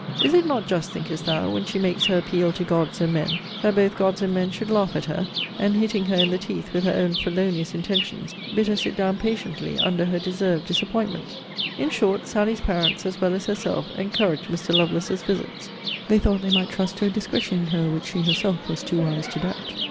Is it not just, thinkest thou, when she makes her appeal to gods and men, that both gods and men should laugh at her, and hitting her in the teeth with her own felonious intentions, bid her sit down patiently under her deserved disappointment?' In short, Sally's parents, as well as herself, encouraged Mr. Lovelace's visits. They thought they might trust to a discretion in her which she herself was too wise to doubt.